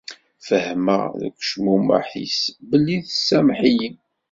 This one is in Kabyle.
Fehmeɣ deg ucmumeḥ-is belli tsameḥ-iyi.